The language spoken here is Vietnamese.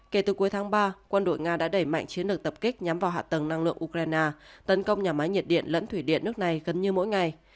kể từ cuối tháng ba quân đội nga đã đẩy mạnh chiến lược tập kích nhắm vào hạ tầng năng lượng ukraine tấn công nhà máy nhiệt điện lẫn thủy điện nước này gần như mỗi ngày